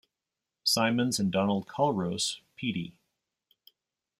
Simonds and Donald Culross Peattie.